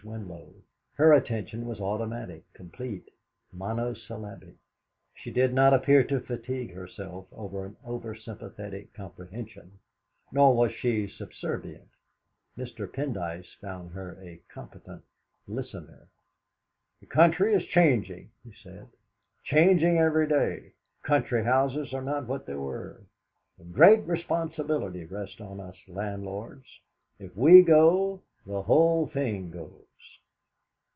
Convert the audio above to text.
Winlow. Her attention was automatic, complete, monosyllabic; she did not appear to fatigue herself by an over sympathetic comprehension, nor was she subservient. Mr. Pendyce found her a competent listener. "The country is changing," he said, "changing every day. Country houses are not what they were. A great responsibility rests on us landlords. If we go, the whole thing goes."